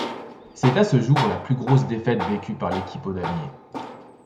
C'est, à ce jour, la plus grosse défaite vécue par l'équipe au damier.